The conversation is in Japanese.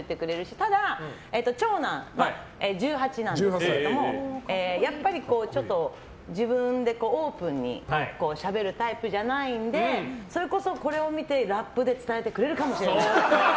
ただ長男、１８なんですけどもやっぱり、自分でオープンにしゃべるタイプじゃないのでそれこそ、これを見てラップで伝えてくれるかもしれない。